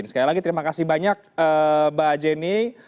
sekali lagi terima kasih banyak mbak jenny